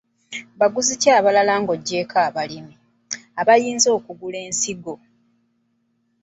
Baguzi ki abalala ng’oggyeeko abalimi, abayinza okugula ensigo?